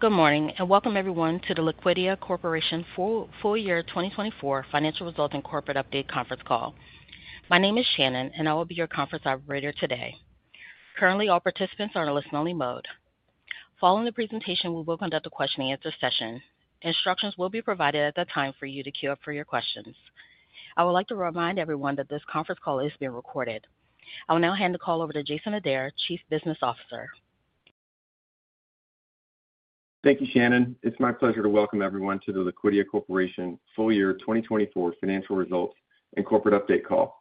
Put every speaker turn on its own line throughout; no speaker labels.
Good morning, and welcome everyone to the Liquidia Corporation Full Year 2024 Financial Results and Corporate Update Conference Call. My name is Shannon, and I will be your conference operator today. Currently, all participants are in a listen-only mode. Following the presentation, we will conduct a question-and-answer session. Instructions will be provided at that time for you to queue up for your questions. I would like to remind everyone that this conference call is being recorded. I will now hand the call over to Jason Adair, Chief Business Officer.
Thank you, Shannon. It's my pleasure to welcome everyone to the Liquidia Corporation Full Year 2024 Financial Results and Corporate Update Call.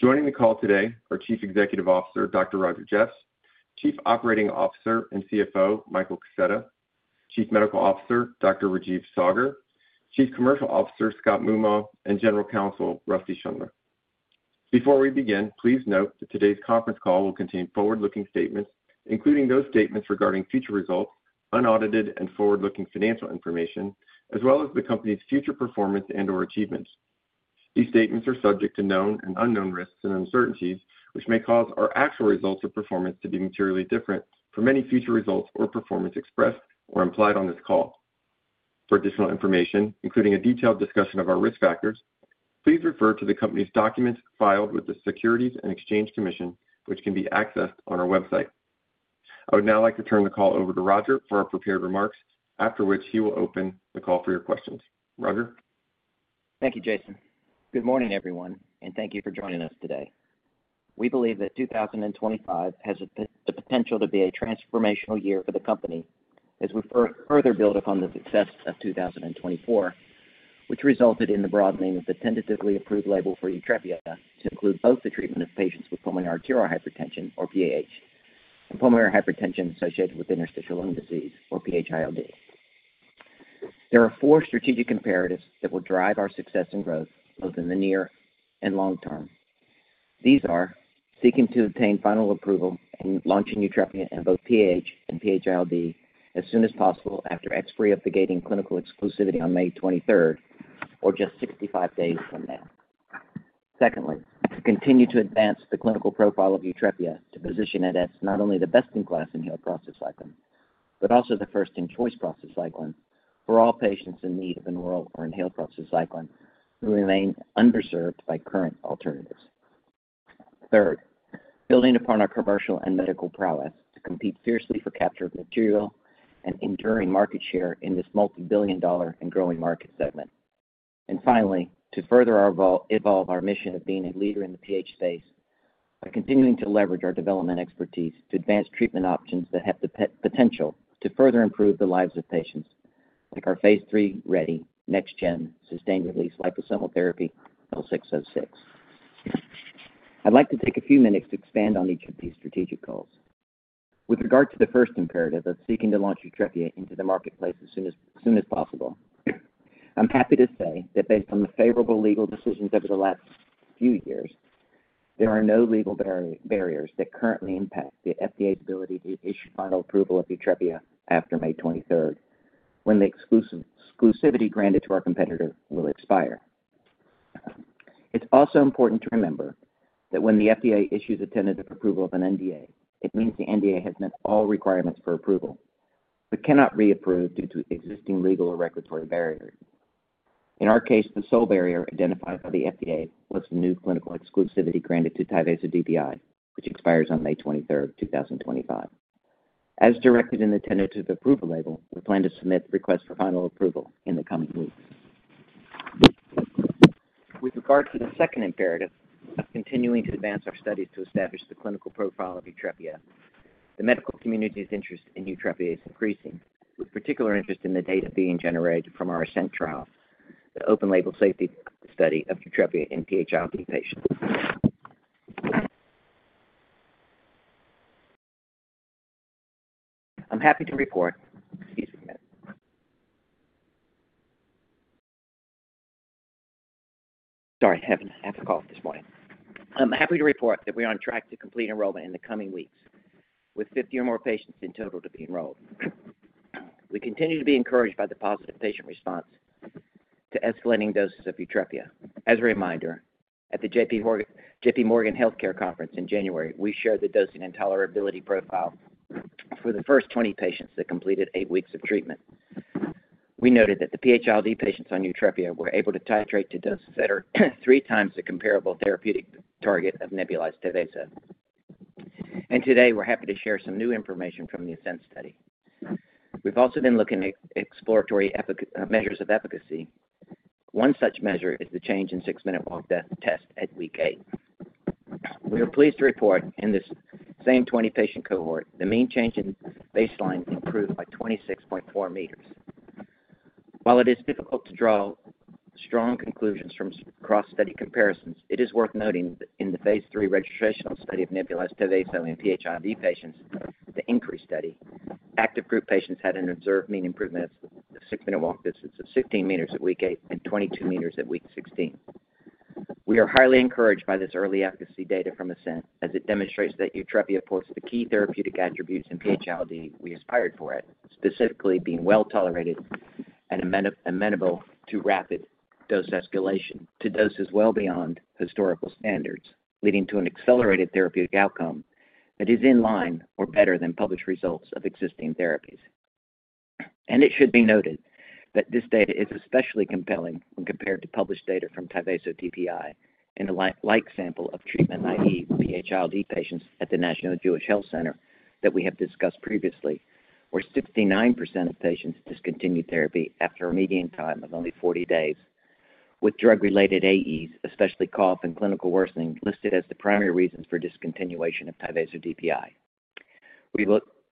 Joining the call today are Chief Executive Officer Dr. Roger Jeffs, Chief Operating Officer and CFO Michael Kaseta, Chief Medical Officer Dr. Rajeev Saggar, Chief Commercial Officer Scott Moomaw, and General Counsel Rusty Schundler. Before we begin, please note that today's conference call will contain forward-looking statements, including those statements regarding future results, unaudited and forward-looking financial information, as well as the company's future performance and/or achievements. These statements are subject to known and unknown risks and uncertainties, which may cause our actual results or performance to be materially different from any future results or performance expressed or implied on this call. For additional information, including a detailed discussion of our risk factors, please refer to the company's documents filed with the Securities and Exchange Commission, which can be accessed on our website. I would now like to turn the call over to Roger for our prepared remarks, after which he will open the call for your questions. Roger.
Thank you, Jason. Good morning, everyone, and thank you for joining us today. We believe that 2025 has the potential to be a transformational year for the company as we further build upon the success of 2024, which resulted in the broadening of the tentatively approved label for YUTREPIA to include both the treatment of patients with pulmonary arterial hypertension, or PAH, and pulmonary hypertension associated with interstitial lung disease, or PH-ILD. There are four strategic imperatives that will drive our success and growth both in the near and long term. These are: seeking to obtain final approval and launching YUTREPIA in both PAH and PH-ILD as soon as possible after expiry of the gating clinical exclusivity on May 23rd, or just 65 days from now. Secondly, to continue to advance the clinical profile of YUTREPIA to position it as not only the best in class inhaled prostacyclin but also the first in choice prostacyclin for all patients in need of an oral or inhaled prostacyclin who remain underserved by current alternatives. Third, building upon our commercial and medical prowess to compete fiercely for capture of material and enduring market share in this multi-billion dollar and growing market segment. Finally, to further evolve our mission of being a leader in the PAH space by continuing to leverage our development expertise to advance treatment options that have the potential to further improve the lives of patients like our phase III ready NextGen sustained-release liposomal therapy L606. I'd like to take a few minutes to expand on each of these strategic goals. With regard to the first imperative of seeking to launch YUTREPIA into the marketplace as soon as possible, I'm happy to say that based on the favorable legal decisions over the last few years, there are no legal barriers that currently impact the FDA's ability to issue final approval of YUTREPIA after May 23 when the exclusivity granted to our competitor will expire. It's also important to remember that when the FDA issues a tentative approval of an NDA, it means the NDA has met all requirements for approval but cannot approve due to existing legal or regulatory barriers. In our case, the sole barrier identified by the FDA was the new clinical investigation exclusivity granted to Tyvaso DPI, which expires on May 23, 2025. As directed in the tentative approval label, we plan to submit the request for final approval in the coming weeks. With regard to the second imperative of continuing to advance our studies to establish the clinical profile of YUTREPIA, the medical community's interest in YUTREPIA is increasing, with particular interest in the data being generated from our ASCEND trial, the open-label safety study of YUTREPIA in PH-ILD patients. I'm happy to report, sorry, having a cough this morning. I'm happy to report that we are on track to complete enrollment in the coming weeks, with 50 or more patients in total to be enrolled. We continue to be encouraged by the positive patient response to escalating doses of YUTREPIA. As a reminder, at the JPMorgan Healthcare Conference in January, we shared the dosing and tolerability profile for the first 20 patients that completed eight weeks of treatment. We noted that the PH-ILD patients on YUTREPIA were able to titrate to doses that are three times the comparable therapeutic target of nebulized Tyvaso. Today, we're happy to share some new information from the ASCEND study. We've also been looking at exploratory measures of efficacy. One such measure is the change in six-minute walk test at week eight. We are pleased to report in this same 20-patient cohort, the mean change from baseline improved by 26.4 meters. While it is difficult to draw strong conclusions from cross-study comparisons, it is worth noting that in the phase III registrational study of nebulized Tyvaso in PH-ILD patients, the INCREASE study, active group patients had an observed mean improvement of six-minute walk distance of 15 meters at week eight and 22 meters at week 16. We are highly encouraged by this early efficacy data from ASCEND, as it demonstrates that YUTREPIA supports the key therapeutic attributes in PH-ILD we aspired for, specifically being well tolerated and amenable to rapid dose escalation to doses well beyond historical standards, leading to an accelerated therapeutic outcome that is in line or better than published results of existing therapies. It should be noted that this data is especially compelling when compared to published data from Tyvaso DPI in a like sample of treatment, i.e., PH-ILD patients at the National Jewish Health Center that we have discussed previously, where 69% of patients discontinued therapy after a median time of only 40 days, with drug-related AEs, especially cough and clinical worsening, listed as the primary reasons for discontinuation of Tyvaso DPI.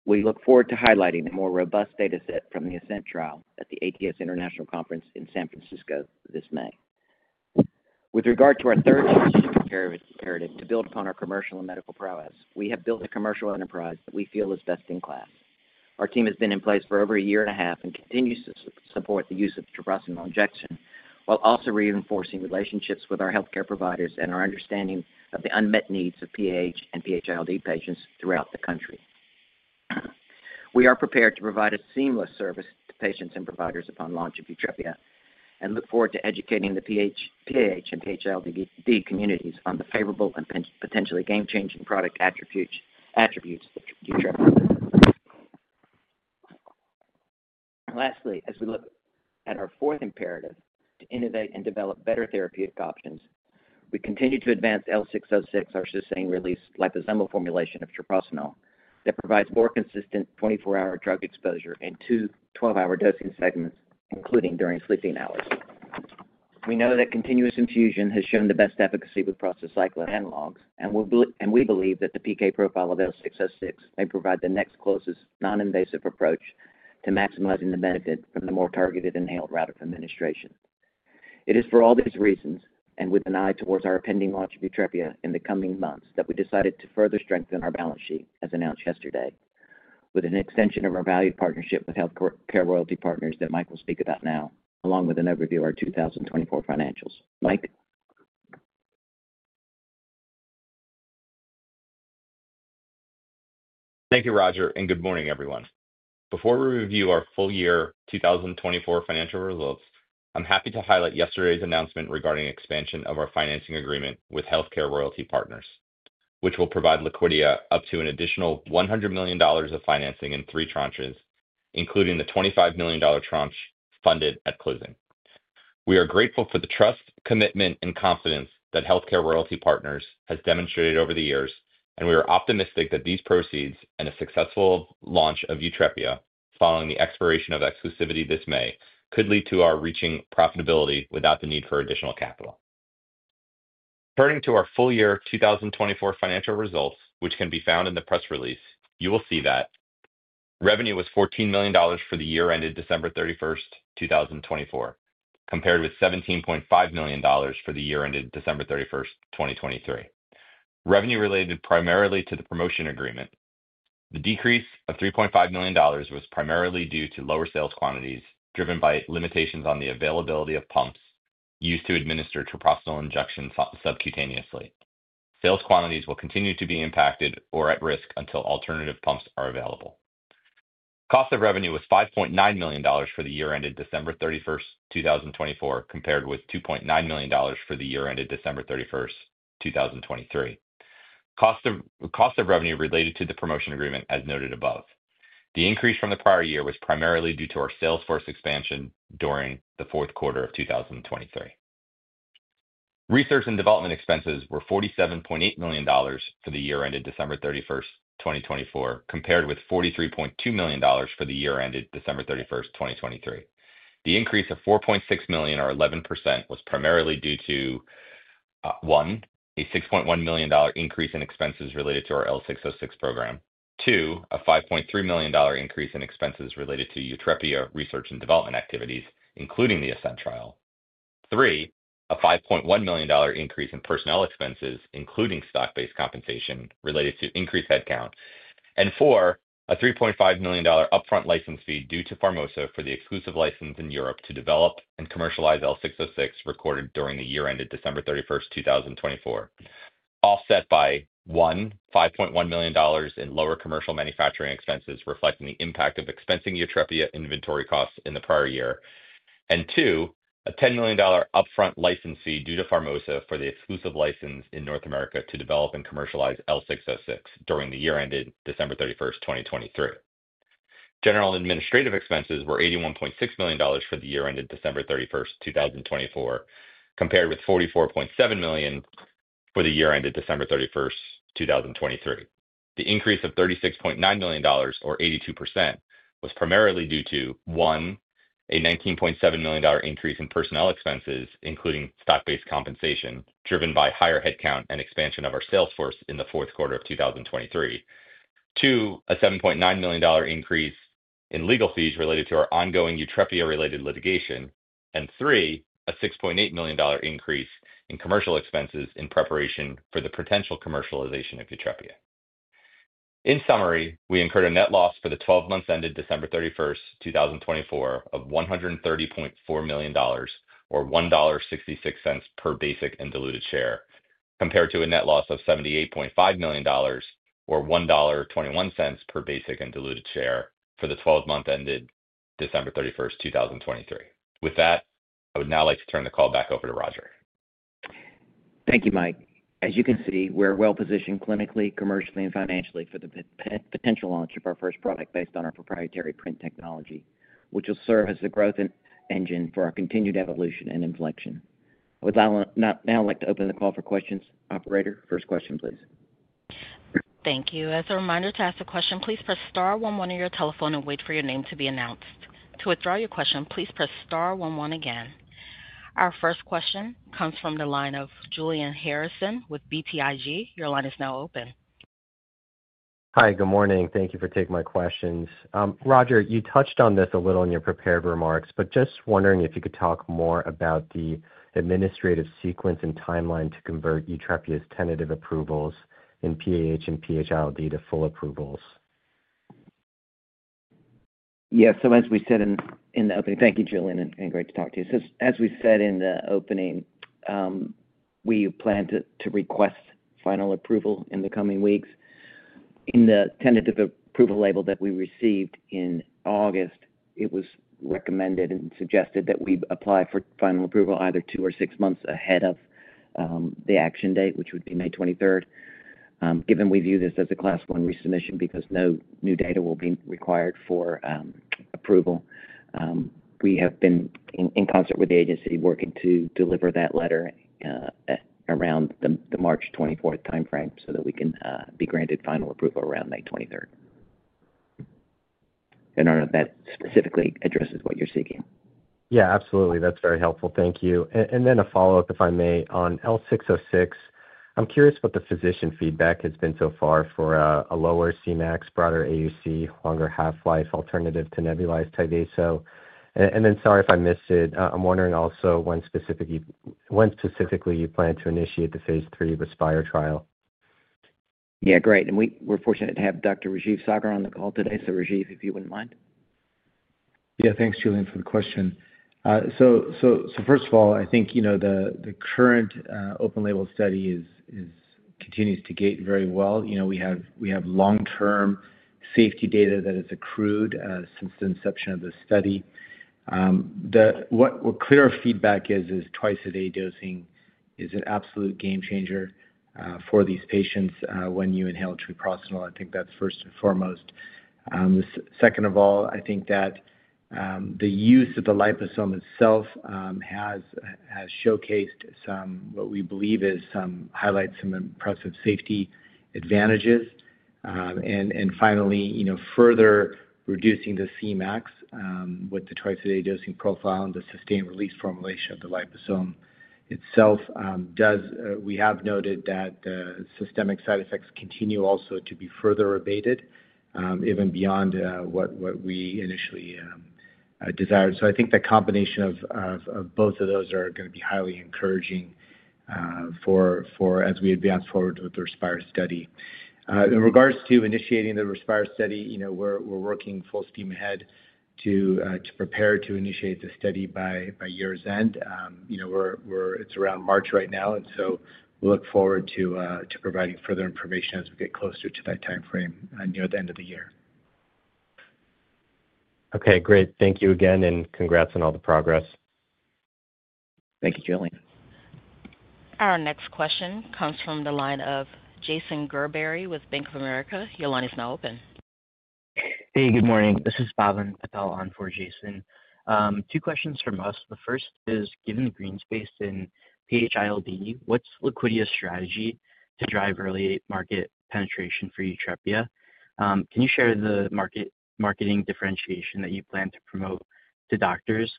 We look forward to highlighting a more robust data set from the ASCEND trial at the ATS International Conference in San Francisco this May. With regard to our third strategic imperative to build upon our commercial and medical prowess, we have built a commercial enterprise that we feel is best in class. Our team has been in place for over a year and a half and continues to support the use of treprostinil injection while also reinforcing relationships with our healthcare providers and our understanding of the unmet needs of PAH and PH-ILD patients throughout the country. We are prepared to provide a seamless service to patients and providers upon launch of YUTREPIA and look forward to educating the PAH and PH-ILD communities on the favorable and potentially game-changing product attributes of YUTREPIA. Lastly, as we look at our fourth imperative to innovate and develop better therapeutic options, we continue to advance L606, our sustained-release liposomal formulation of treprostinil that provides more consistent 24-hour drug exposure in two 12-hour dosing segments, including during sleeping hours. We know that continuous infusion has shown the best efficacy with prostacyclin analogs, and we believe that the PK profile of L606 may provide the next closest non-invasive approach to maximizing the benefit from the more targeted inhaled route of administration. It is for all these reasons, and with an eye towards our pending launch of YUTREPIA in the coming months, that we decided to further strengthen our balance sheet, as announced yesterday, with an extension of our valued partnership with HealthCare Royalty Partners that Mike will speak about now, along with an overview of our 2024 financials. Mike.
Thank you, Roger, and good morning, everyone. Before we review our full year 2024 financial results, I'm happy to highlight yesterday's announcement regarding expansion of our financing agreement with HealthCare Royalty Partners, which will provide Liquidia up to an additional $100 million of financing in three tranches, including the $25 million tranche funded at closing. We are grateful for the trust, commitment, and confidence that HealthCare Royalty Partners have demonstrated over the years, and we are optimistic that these proceeds and a successful launch of YUTREPIA following the expiration of exclusivity this May could lead to our reaching profitability without the need for additional capital. Turning to our full year 2024 financial results, which can be found in the press release, you will see that revenue was $14 million for the year ended December 31, 2024, compared with $17.5 million for the year ended December 31, 2023. Revenue related primarily to the promotion agreement. The decrease of $3.5 million was primarily due to lower sales quantities driven by limitations on the availability of pumps used to administer treprostinil injection subcutaneously. Sales quantities will continue to be impacted or at risk until alternative pumps are available. Cost of revenue was $5.9 million for the year ended December 31, 2024, compared with $2.9 million for the year ended December 31, 2023. Cost of revenue related to the promotion agreement, as noted above. The increase from the prior year was primarily due to our sales force expansion during the fourth quarter of 2023. Research and development expenses were $47.8 million for the year ended December 31, 2024, compared with $43.2 million for the year ended December 31, 2023. The increase of $4.6 million, or 11%, was primarily due to, one, a $6.1 million increase in expenses related to our L606 program; two, a $5.3 million increase in expenses related to YUTREPIA research and development activities, including the ASCEND trial; three, a $5.1 million increase in personnel expenses, including stock-based compensation related to increased headcount; and four, a $3.5 million upfront license fee due to Formosa for the exclusive license in Europe to develop and commercialize L606 recorded during the year ended December 31, 2024, offset by, one, $5.1 million in lower commercial manufacturing expenses reflecting the impact of expensing YUTREPIA inventory costs in the prior year; and two, a $10 million upfront license fee due to Formosa for the exclusive license in North America to develop and commercialize L606 during the year ended December 31, 2023. General administrative expenses were $81.6 million for the year ended December 31, 2024, compared with $44.7 million for the year ended December 31, 2023. The increase of $36.9 million, or 82%, was primarily due to, one, a $19.7 million increase in personnel expenses, including stock-based compensation driven by higher headcount and expansion of our sales force in the fourth quarter of 2023; two, a $7.9 million increase in legal fees related to our ongoing YUTREPIA-related litigation; and three, a $6.8 million increase in commercial expenses in preparation for the potential commercialization of YUTREPIA. In summary, we incurred a net loss for the 12 months ended December 31, 2024, of $130.4 million, or $1.66 per basic and diluted share, compared to a net loss of $78.5 million, or $1.21 per basic and diluted share for the 12 months ended December 31, 2023. With that, I would now like to turn the call back over to Roger.
Thank you, Mike. As you can see, we're well positioned clinically, commercially, and financially for the potential launch of our first product based on our proprietary PRINT technology, which will serve as the growth engine for our continued evolution and inflection. I would now like to open the call for questions. Operator, first question, please.
Thank you. As a reminder to ask a question, please press star one one on your telephone and wait for your name to be announced. To withdraw your question, please press star one one again. Our first question comes from the line of Julian Harrison with BTIG. Your line is now open.
Hi, good morning. Thank you for taking my questions. Roger, you touched on this a little in your prepared remarks, but just wondering if you could talk more about the administrative sequence and timeline to convert YUTREPIA's tentative approvals in PAH and PH-ILD to full approvals.
Yes. As we said in the opening, thank you, Julian. Great to talk to you. As we said in the opening, we plan to request final approval in the coming weeks. In the tentative approval label that we received in August, it was recommended and suggested that we apply for final approval either two or six months ahead of the action date, which would be May 23. Given we view this as a class one resubmission because no new data will be required for approval, we have been in concert with the agency working to deliver that letter around the March 24 timeframe so that we can be granted final approval around May 23. I do not know if that specifically addresses what you are seeking.
Yeah, absolutely. That's very helpful. Thank you. A follow-up, if I may, on L606. I'm curious what the physician feedback has been so far for a lower CMAX, broader AUC, longer half-life alternative to nebulized Tyvaso. Sorry if I missed it. I'm wondering also when specifically you plan to initiate the phase III Respire trial.
Yeah, great. We are fortunate to have Dr. Rajeev Saggar on the call today. Rajeev, if you would not mind.
Yeah, thanks, Julian, for the question. First of all, I think the current open-label study continues to gate very well. We have long-term safety data that has accrued since the inception of the study. What clear feedback is, is twice-a-day dosing is an absolute game changer for these patients when you inhale treprostinil. I think that's first and foremost. Second of all, I think that the use of the liposome itself has showcased what we believe highlights some impressive safety advantages. Finally, further reducing the CMAX with the twice-a-day dosing profile and the sustained-release formulation of the liposome itself, we have noted that the systemic side effects continue also to be further abated, even beyond what we initially desired. I think the combination of both of those are going to be highly encouraging as we advance forward with the Respire study. In regards to initiating the Respire study, we're working full steam ahead to prepare to initiate the study by year's end. It's around March right now, and so we look forward to providing further information as we get closer to that timeframe near the end of the year.
Okay, great. Thank you again, and congrats on all the progress.
Thank you, Julian.
Our next question comes from the line of Jason Gerberry with Bank of America. Your line is now open.
Hey, good morning. This is Bhavan Patel on for Jason. Two questions from us. The first is, given the green space in PH-ILD, what's Liquidia's strategy to drive early market penetration for YUTREPIA? Can you share the marketing differentiation that you plan to promote to doctors?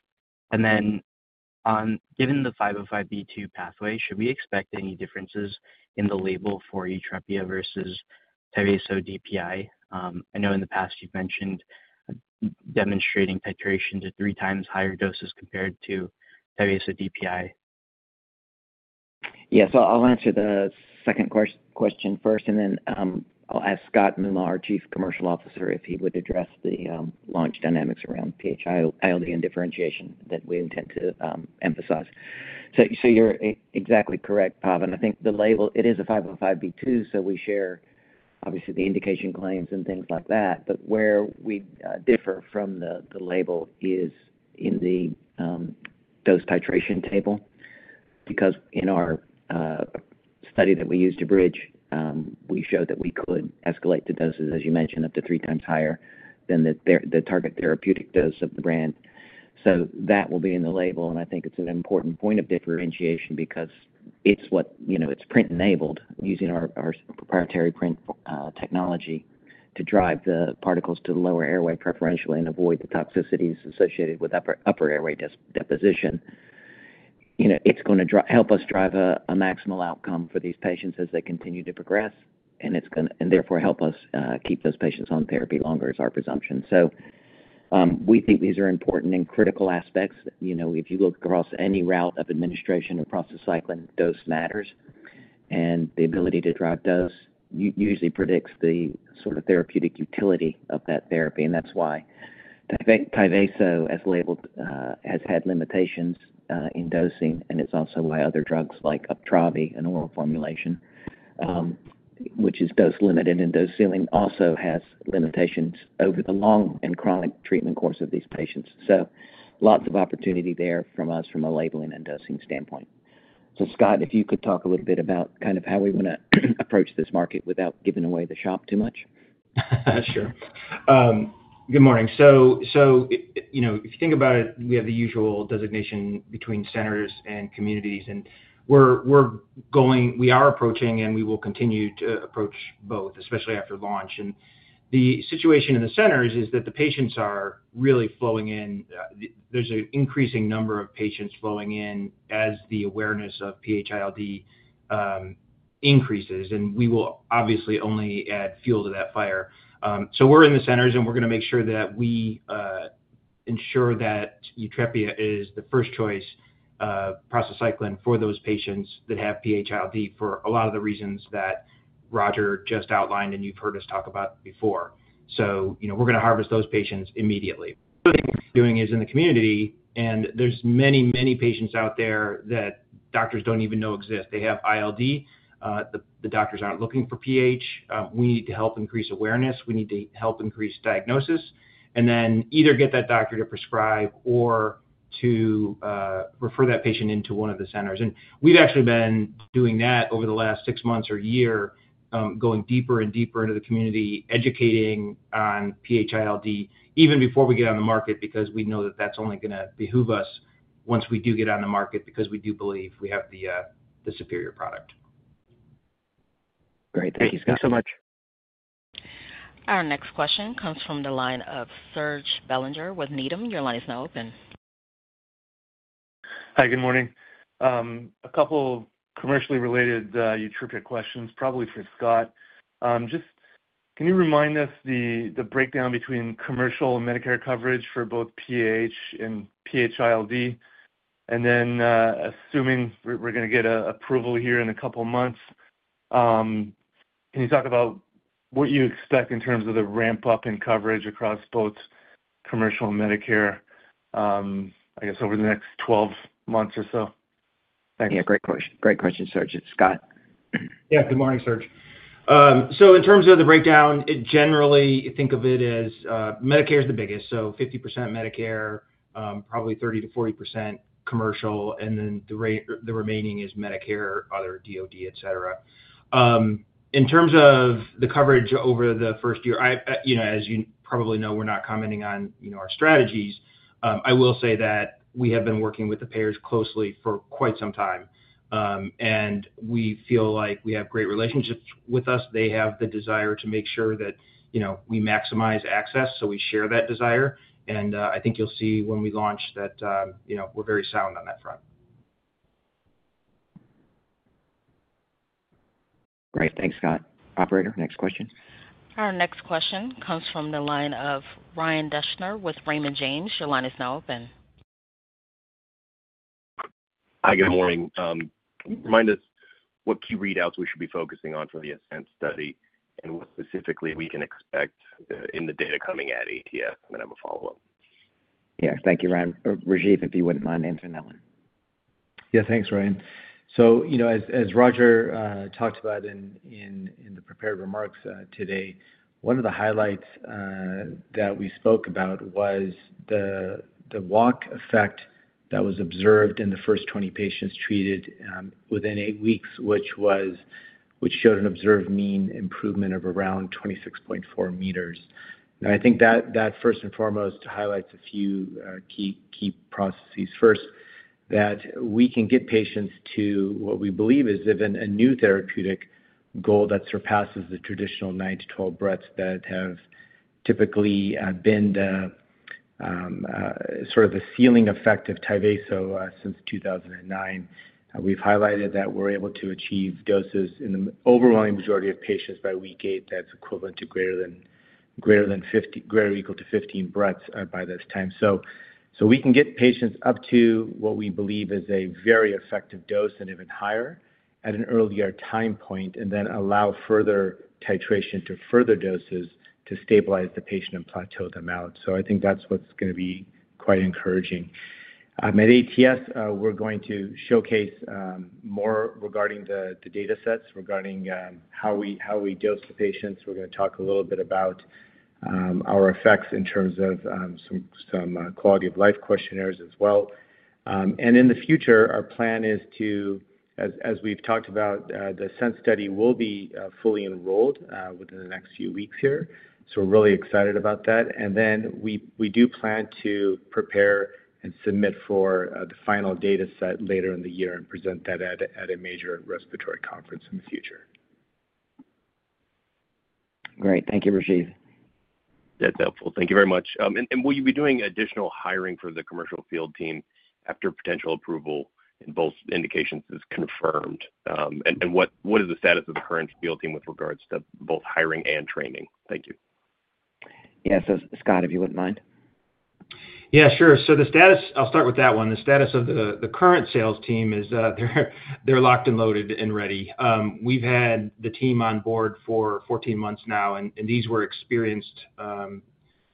Given the 505(b)(2) pathway, should we expect any differences in the label for YUTREPIA versus Tyvaso DPI? I know in the past you've mentioned demonstrating titration to three times higher doses compared to Tyvaso DPI.
Yeah. I'll answer the second question first, and then I'll ask Scott Moomaw, our Chief Commercial Officer, if he would address the launch dynamics around PH-ILD and differentiation that we intend to emphasize. You're exactly correct, Bhavan. I think the label, it is a 505(b)(2), so we share obviously the indication claims and things like that. Where we differ from the label is in the dose titration table because in our study that we used to bridge, we showed that we could escalate the doses, as you mentioned, up to three times higher than the target therapeutic dose of the brand. That will be in the label, and I think it's an important point of differentiation because it's print-enabled using our proprietary PRINT technology to drive the particles to the lower airway preferentially and avoid the toxicities associated with upper airway deposition. It's going to help us drive a maximal outcome for these patients as they continue to progress, and therefore help us keep those patients on therapy longer is our presumption. We think these are important and critical aspects. If you look across any route of administration or prostacyclin, dose matters, and the ability to drive dose usually predicts the sort of therapeutic utility of that therapy. That's why Tyvaso, as labeled, has had limitations in dosing, and it's also why other drugs like Uptravi, an oral formulation, which is dose-limited and dose-ceiling, also has limitations over the long and chronic treatment course of these patients. Lots of opportunity there from us from a labeling and dosing standpoint. Scott, if you could talk a little bit about kind of how we want to approach this market without giving away the shop too much.
Sure. Good morning. If you think about it, we have the usual designation between centers and communities, and we are approaching, and we will continue to approach both, especially after launch. The situation in the centers is that the patients are really flowing in. There is an increasing number of patients flowing in as the awareness of PH-ILD increases, and we will obviously only add fuel to that fire. We are in the centers, and we are going to make sure that we ensure that YUTREPIA is the first choice prostacyclin for those patients that have PH-ILD for a lot of the reasons that Roger just outlined, and you have heard us talk about before. We are going to harvest those patients immediately. Doing is in the community, and there are many, many patients out there that doctors do not even know exist. They have ILD. The doctors are not looking for PH. We need to help increase awareness. We need to help increase diagnosis, and then either get that doctor to prescribe or to refer that patient into one of the centers. We have actually been doing that over the last six months or a year, going deeper and deeper into the community, educating on PH-ILD even before we get on the market because we know that is only going to behoove us once we do get on the market because we do believe we have the superior product.
Great. Thank you, Scott, so much.
Our next question comes from the line of Serge Belanger with Needham. Your line is now open.
Hi, good morning. A couple of commercially related YUTREPIA questions, probably for Scott. Just can you remind us the breakdown between commercial and Medicare coverage for both PAH and PH-ILD? Assuming we're going to get approval here in a couple of months, can you talk about what you expect in terms of the ramp-up in coverage across both commercial and Medicare, I guess, over the next 12 months or so? Thanks.
Yeah, great question. Serge, Scott.
Yeah, good morning, Serge. In terms of the breakdown, generally, think of it as Medicare is the biggest. 50% Medicare, probably 30-40% commercial, and then the remaining is Medicare, other DOD, etc. In terms of the coverage over the first year, as you probably know, we're not commenting on our strategies. I will say that we have been working with the payers closely for quite some time, and we feel like we have great relationships with us. They have the desire to make sure that we maximize access, so we share that desire. I think you'll see when we launch that we're very sound on that front.
Great. Thanks, Scott. Operator, next question.
Our next question comes from the line of Ryan Deschner with Raymond James. Your line is now open.
Hi, good morning. Remind us what key readouts we should be focusing on for the ASCEND study and what specifically we can expect in the data coming at ATS, and then I'm going to follow up.
Yeah. Thank you, Ryan. Rajeev, if you wouldn't mind answering that one.
Yeah, thanks, Ryan. As Roger talked about in the prepared remarks today, one of the highlights that we spoke about was the walk effect that was observed in the first 20 patients treated within eight weeks, which showed an observed mean improvement of around 26.4 meters. I think that first and foremost highlights a few key processes. First, that we can get patients to what we believe is even a new therapeutic goal that surpasses the traditional 9-12 breaths that have typically been sort of the ceiling effect of Tyvaso since 2009. We've highlighted that we're able to achieve doses in the overwhelming majority of patients by week eight that's equivalent to greater than or equal to 15 breaths by this time. We can get patients up to what we believe is a very effective dose and even higher at an earlier time point, and then allow further titration to further doses to stabilize the patient and plateau them out. I think that's what's going to be quite encouraging. At ATS, we're going to showcase more regarding the data sets, regarding how we dose the patients. We're going to talk a little bit about our effects in terms of some quality of life questionnaires as well. In the future, our plan is to, as we've talked about, the ASCEND study will be fully enrolled within the next few weeks here. We're really excited about that. We do plan to prepare and submit for the final data set later in the year and present that at a major respiratory conference in the future.
Great. Thank you, Rajeev.
That's helpful. Thank you very much. Will you be doing additional hiring for the commercial field team after potential approval in both indications is confirmed? What is the status of the current field team with regards to both hiring and training? Thank you.
Yeah. Scott, if you wouldn't mind.
Yeah, sure. I'll start with that one. The status of the current sales team is they're locked and loaded and ready. We've had the team on board for 14 months now, and these were experienced,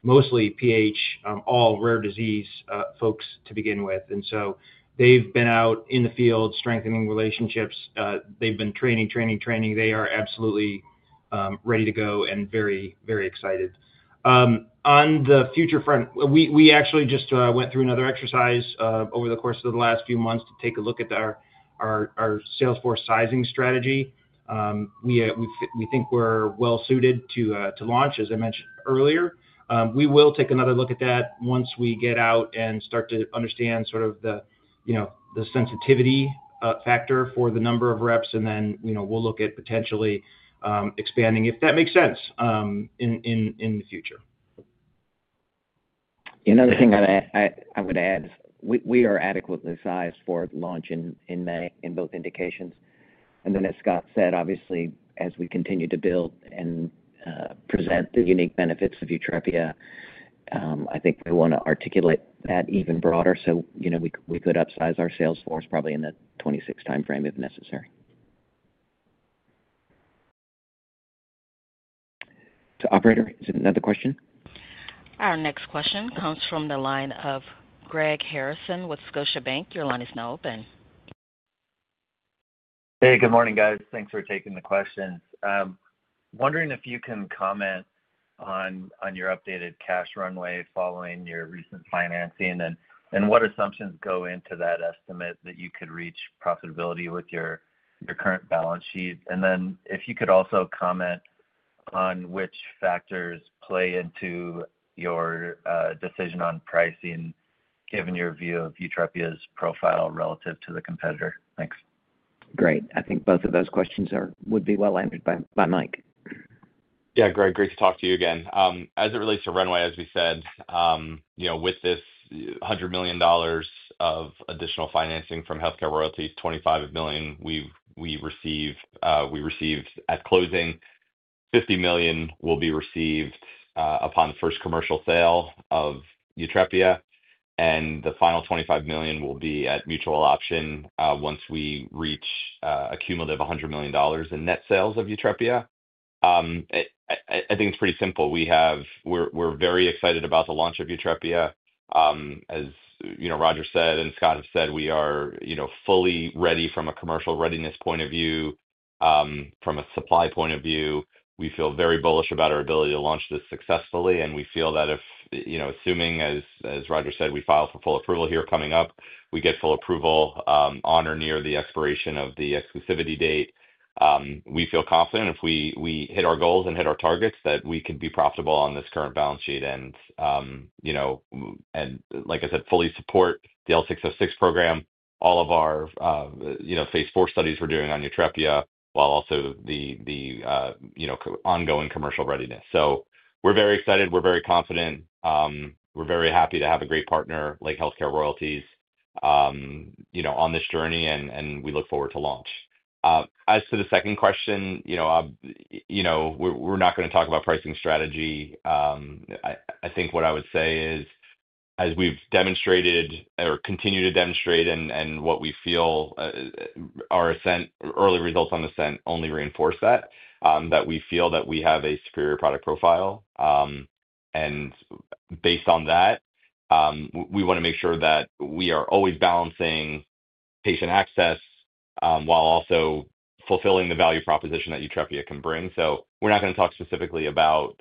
mostly PH, all rare disease folks to begin with. They've been out in the field strengthening relationships. They've been training, training, training. They are absolutely ready to go and very, very excited. On the future front, we actually just went through another exercise over the course of the last few months to take a look at our salesforce sizing strategy. We think we're well-suited to launch, as I mentioned earlier. We will take another look at that once we get out and start to understand sort of the sensitivity factor for the number of reps, and then we'll look at potentially expanding, if that makes sense, in the future.
Another thing I would add is we are adequately sized for launch in both indications. As Scott said, obviously, as we continue to build and present the unique benefits of YUTREPIA, I think we want to articulate that even broader so we could upsize our salesforce probably in the 2026 timeframe if necessary. Operator, is it another question?
Our next question comes from the line of Greg Harrison with Scotiabank. Your line is now open.
Hey, good morning, guys. Thanks for taking the questions. Wondering if you can comment on your updated cash runway following your recent financing and what assumptions go into that estimate that you could reach profitability with your current balance sheet. If you could also comment on which factors play into your decision on pricing, given your view of YUTREPIA's profile relative to the competitor. Thanks.
Great. I think both of those questions would be well answered by Mike.
Yeah, Greg, great to talk to you again. As it relates to runway, as we said, with this $100 million of additional financing from HealthCare Royalty Partners, $25 million we receive at closing, $50 million will be received upon the first commercial sale of YUTREPIA, and the final $25 million will be at mutual option once we reach a cumulative $100 million in net sales of YUTREPIA. I think it's pretty simple. We're very excited about the launch of YUTREPIA. As Roger said and Scott have said, we are fully ready from a commercial readiness point of view. From a supply point of view, we feel very bullish about our ability to launch this successfully, and we feel that if, assuming, as Roger said, we file for full approval here coming up, we get full approval on or near the expiration of the exclusivity date, we feel confident if we hit our goals and hit our targets that we can be profitable on this current balance sheet and, like I said, fully support the L606 program, all of our phase four studies we're doing on YUTREPIA, while also the ongoing commercial readiness. We are very excited. We are very confident. We are very happy to have a great partner, like HealthCare Royalty Partners, on this journey, and we look forward to launch. As to the second question, we are not going to talk about pricing strategy. I think what I would say is, as we've demonstrated or continue to demonstrate and what we feel our early results on ASCEND only reinforce that, that we feel that we have a superior product profile. Based on that, we want to make sure that we are always balancing patient access while also fulfilling the value proposition that YUTREPIA can bring. We're not going to talk specifically about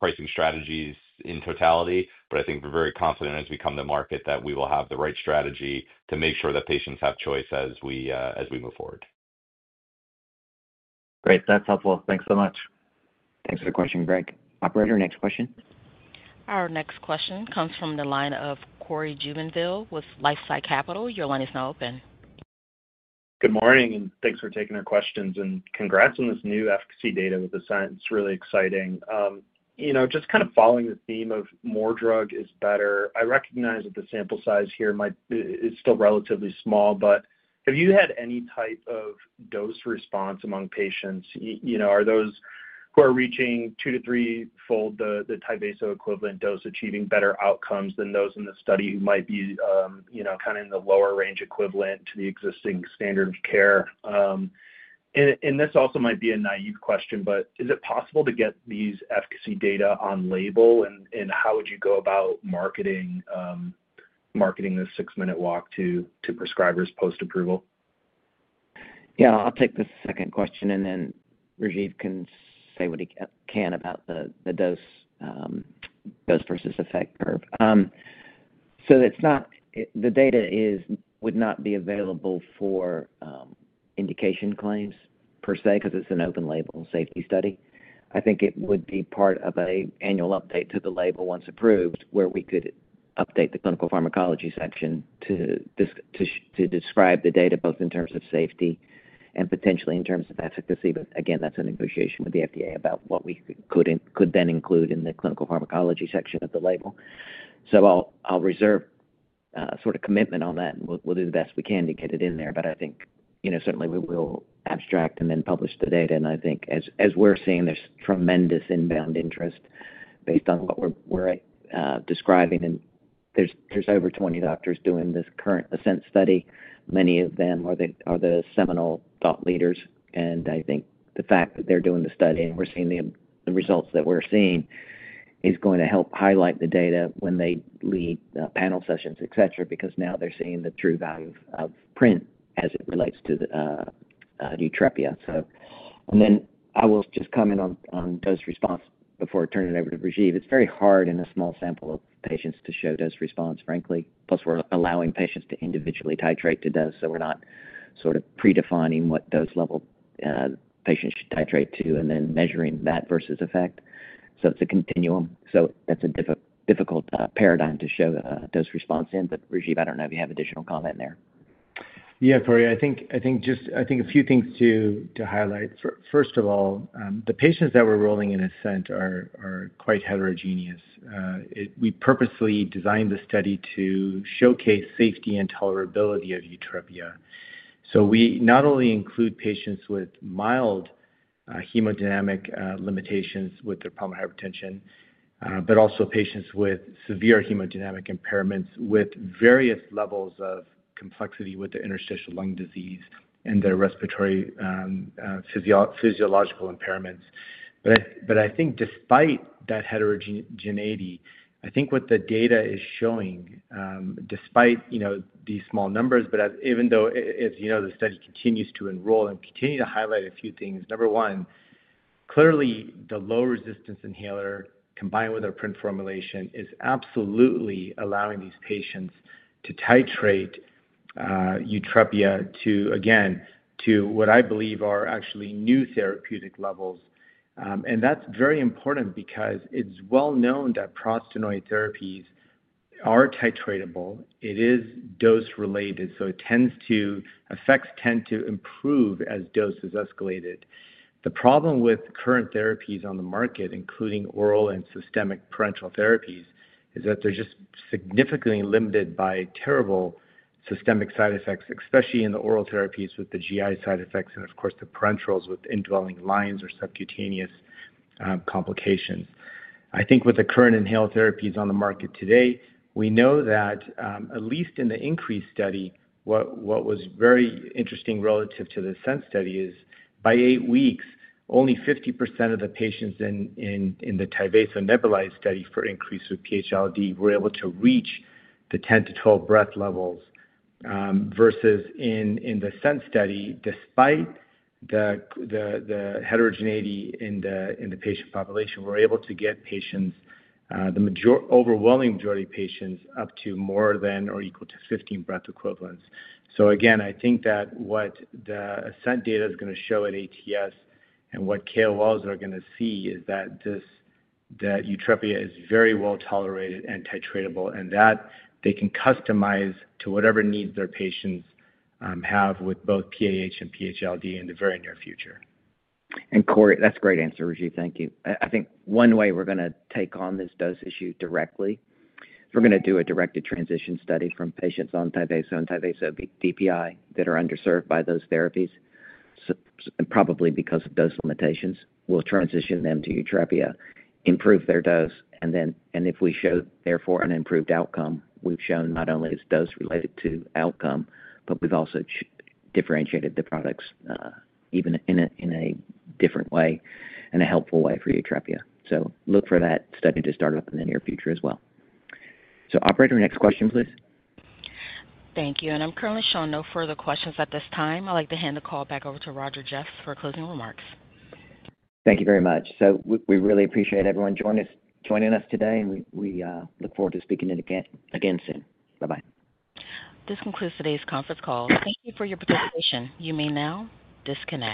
pricing strategies in totality, but I think we're very confident as we come to market that we will have the right strategy to make sure that patients have choice as we move forward.
Great. That's helpful. Thanks so much.
Thanks for the question, Greg. Operator, next question.
Our next question comes from the line of Cory Jubinville with LifeSci Capital. Your line is now open.
Good morning, and thanks for taking our questions. Congrats on this new efficacy data with ASCEND. It's really exciting. Just kind of following the theme of more drug is better, I recognize that the sample size here is still relatively small, but have you had any type of dose response among patients? Are those who are reaching two to three-fold the Tyvaso equivalent dose achieving better outcomes than those in the study who might be kind of in the lower range equivalent to the existing standard of care? This also might be a naive question, but is it possible to get these efficacy data on label, and how would you go about marketing this six-minute walk to prescribers post-approval?
Yeah, I'll take the second question, and then Rajeev can say what he can about the dose versus effect curve. The data would not be available for indication claims per se because it's an open label safety study. I think it would be part of an annual update to the label once approved where we could update the clinical pharmacology section to describe the data both in terms of safety and potentially in terms of efficacy. That is a negotiation with the FDA about what we could then include in the clinical pharmacology section of the label. I'll reserve sort of commitment on that, and we'll do the best we can to get it in there. I think certainly we will abstract and then publish the data. I think as we're seeing, there's tremendous inbound interest based on what we're describing. There are over 20 doctors doing this current ASCEND study. Many of them are the seminal thought leaders. I think the fact that they are doing the study and we are seeing the results that we are seeing is going to help highlight the data when they lead panel sessions, etc., because now they are seeing the true value of print as it relates to YUTREPIA. I will just comment on dose response before I turn it over to Rajeev. It is very hard in a small sample of patients to show dose response, frankly. Plus, we are allowing patients to individually titrate to dose, so we are not sort of predefining what dose level patients should titrate to and then measuring that versus effect. It is a continuum. That is a difficult paradigm to show dose response in. Rajeev, I do not know if you have additional comment there.
Yeah, Cory, I think just I think a few things to highlight. First of all, the patients that we're enrolling in ASCEND are quite heterogeneous. We purposely designed the study to showcase safety and tolerability of YUTREPIA. We not only include patients with mild hemodynamic limitations with their pulmonary hypertension, but also patients with severe hemodynamic impairments with various levels of complexity with the interstitial lung disease and their respiratory physiological impairments. I think despite that heterogeneity, I think what the data is showing, despite these small numbers, even though, as you know, the study continues to enroll and continue to highlight a few things, number one, clearly the low-resistance inhaler combined with our print formulation is absolutely allowing these patients to titrate YUTREPIA to, again, to what I believe are actually new therapeutic levels. That is very important because it is well known that prostaglandin therapies are titratable. It is dose-related, so effects tend to improve as dose is escalated. The problem with current therapies on the market, including oral and systemic parenteral therapies, is that they are just significantly limited by terrible systemic side effects, especially in the oral therapies with the GI side effects and, of course, the parenterals with indwelling lines or subcutaneous complications. I think with the current inhaled therapies on the market today, we know that at least in the INCREASE study, what was very interesting relative to the ASCEND study is by eight weeks, only 50% of the patients in the Tyvaso nebulized study for INCREASE with PH-ILD were able to reach the 10-12 breath levels versus in the ASCEND study, despite the heterogeneity in the patient population, we're able to get the overwhelming majority of patients up to more than or equal to 15 breath equivalents. I think that what the ASCEND data is going to show at ATS and what KOLs are going to see is that YUTREPIA is very well tolerated and titratable, and that they can customize to whatever needs their patients have with both PAH and PH-ILD in the very near future.
Cory, that's a great answer, Rajeev. Thank you. I think one way we're going to take on this dose issue directly is we're going to do a directed transition study from patients on Tyvaso and Tyvaso DPI that are underserved by those therapies, probably because of dose limitations. We'll transition them to YUTREPIA, improve their dose, and if we show, therefore, an improved outcome, we've shown not only is dose related to outcome, but we've also differentiated the products even in a different way and a helpful way for YUTREPIA. Look for that study to start up in the near future as well. Operator, next question, please.
Thank you. I am currently showing no further questions at this time. I would like to hand the call back over to Roger Jeffs for closing remarks.
Thank you very much. We really appreciate everyone joining us today, and we look forward to speaking again soon. Bye-bye.
This concludes today's conference call. Thank you for your participation. You may now disconnect.